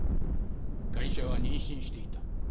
ガイシャは妊娠していた。